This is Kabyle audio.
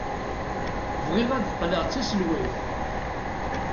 Bɣiɣ ad qqleɣ d taselwayt.